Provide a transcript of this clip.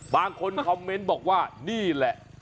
บางคนคอมเมนต์บอกว่านี่แหละ